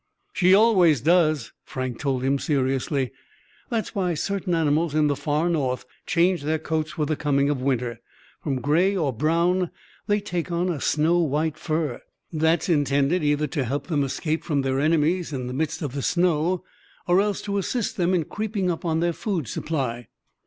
"She always does," Frank told him seriously. "That's why certain animals in the far North change their coats with the coming of winter. From gray or brown they take on a snow white fur. That's intended either to help them escape from their enemies in the midst of the snow, or else to assist them in creeping up on their food supply."